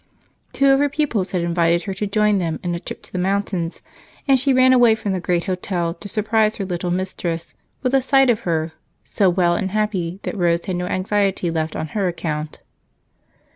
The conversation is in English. Two of her pupils had invited her to join them in a trip to the mountains, and she ran away from the great hotel to surprise her little mistress with a sight of her, so well and happy that Rose had no anxiety left on her account.